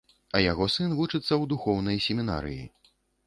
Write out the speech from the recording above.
А яго сын вучыцца ў духоўнай семінарыі.